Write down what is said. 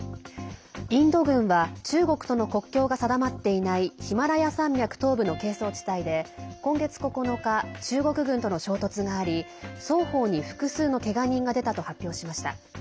インド軍は中国との国境が定まっていないヒマラヤ山脈東部の係争地帯で今月９日、中国軍との衝突があり双方に複数のけが人が出たと発表しました。